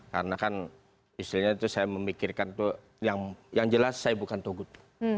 karena kan istilahnya itu saya memikirkan itu yang jelas saya bukan togut